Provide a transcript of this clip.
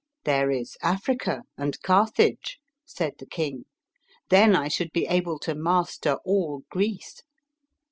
" There is Africa and Carthage," said the king. " Then 1 should be able to master all Greece."